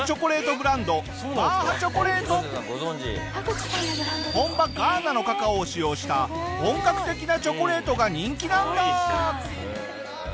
こちらがタグチさんの本場ガーナのカカオを使用した本格的なチョコレートが人気なんだ！